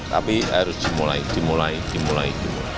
tapi harus dimulai dimulai